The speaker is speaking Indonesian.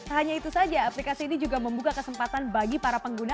hanya itu saja aplikasi ini juga membuka kesempatan bagi para pengguna